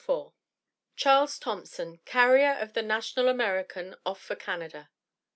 CHARLES THOMPSON, CARRIER OF "THE NATIONAL AMERICAN," OFF FOR CANADA.